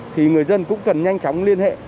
thì người dân cũng cần nhanh chóng liên hệ